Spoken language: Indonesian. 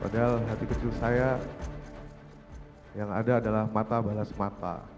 padahal hati kecil saya yang ada adalah mata balas mata